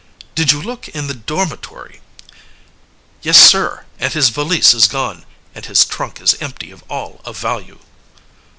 "Did you look in the dormitory?" "Yes, sir; and his valise is gone, and his trunk is empty of all of value."